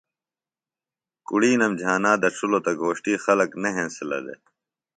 کُڑِینم جھانا دڇِھلوۡ تہ گھوݜٹی خلک نہ ہینسِلہ دےۡ